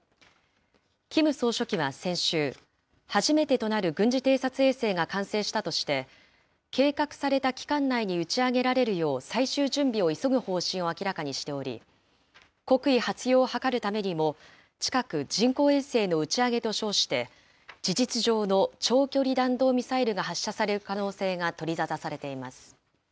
キム総書記は先週、初めてとなる軍事偵察衛星が完成したとして、計画された期間内に打ち上げられるよう、最終準備を急ぐ方針を明らかにしており、国威発揚を図るためにも、近く人工衛星の打ち上げと称して、事実上の長距離弾道ミサイルが発射される可能性が取り沙汰されています。